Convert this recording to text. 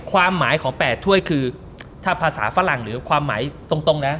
ความหมายของแปดถ้วยคือในภาษาฝรั่งของตรงนะ